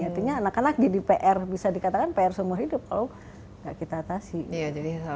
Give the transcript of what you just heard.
artinya anak anak jadi pr bisa dikatakan pr seumur hidup kalau tidak kita atasi